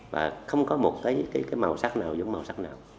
và không có một cái màu sắc nào giống màu sắc nào